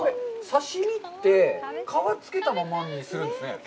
刺身って、皮をつけたままにするんですね。